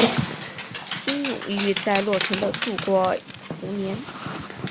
金永玉在洛城的度过童年。